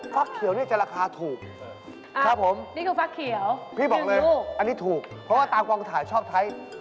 ฟักเขียวนี่จะราคาถูกครับผมพี่บอกเลยอันนี้ถูกเพราะว่าตามความถ่ายชอบใช้